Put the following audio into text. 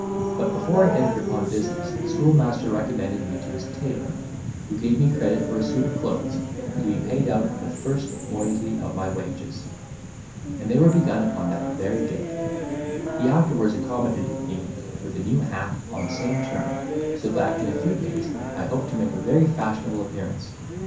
But before I entered upon business the schoolmaster recommended me to his tailor, who gave me credit for a suit of clothes, to be paid out of the first moiety of my wages, and they were begun upon that very day; he afterwards accommodated me with a new hat on the same term: so that in a few days I hoped to make a very fashionable appearance.